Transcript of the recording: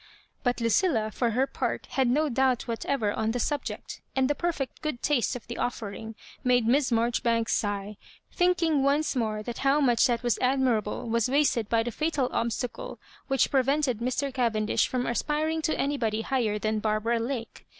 But Lucilla, for her part, had no doubt whatever on the subject ; and the perfect good taste of the offering made Miss Marjoribanks sigh, thinking once more how much that was admirable was wasted by the fatal obstacle which prevented Mr. Cavendish from aspiring to anybody higher than Barbara Lake.